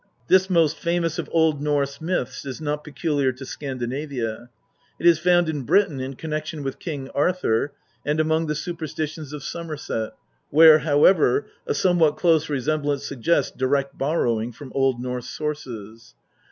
This most famous of Old Norse myths is not peculiar to Scandinavia. It ,is found in Britain in connection with King Arthur, and among the superstitions of Somerset, where, however, a somewhat close resem blance suggests direct borrowing from Old Norse sources.